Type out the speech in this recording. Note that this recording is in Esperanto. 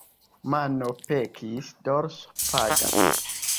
Mano pekis, dorso pagas.